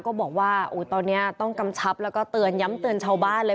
ก็บอกว่าตอนนี้ต้องกำชับแล้วก็เตือนย้ำเตือนชาวบ้านเลย